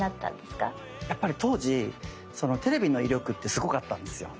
やっぱり当時テレビの威力ってすごかったんですよ。